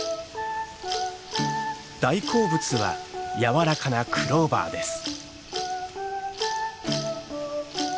大好物はやわらかなクローバーです。